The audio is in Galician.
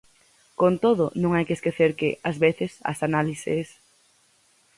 Con todo, non hai que esquecer que, ás veces, as análises...